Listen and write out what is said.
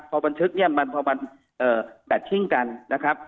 พอบันทึกเนี่ยมันพอมันแบตชิ่งกันนะครับ